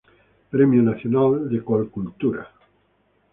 Premio Nacional de Colcultura.